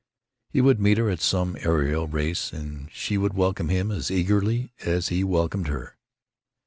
He would meet her at some aero race, and she would welcome him as eagerly as he welcomed her....